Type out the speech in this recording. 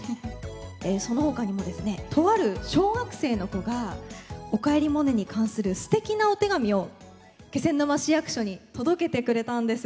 そのほかにもですねとある小学生の子が「おかえりモネ」に関するすてきなお手紙を気仙沼市役所に届けてくれたんです。